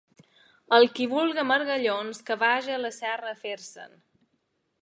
El qui vulga margallons, que vaja a la serra a fer-se’n.